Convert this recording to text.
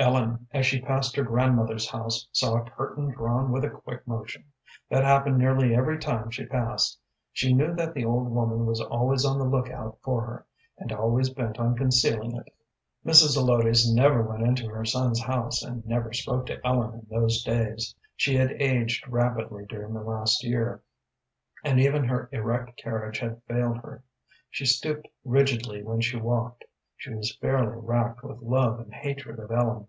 Ellen, as she passed her grandmother's house, saw a curtain drawn with a quick motion. That happened nearly every time she passed. She knew that the old woman was always on the lookout for her, and always bent on concealing it. Mrs. Zelotes never went into her son's house, and never spoke to Ellen in those days. She had aged rapidly during the past year, and even her erect carriage had failed her. She stooped rigidly when she walked. She was fairly racked with love and hatred of Ellen.